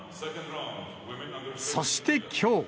そして、きょう。